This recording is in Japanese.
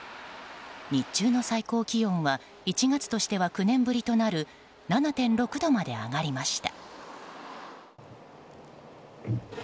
日中の最高気温は１月としては９年ぶりとなる７．６度まで上がりました。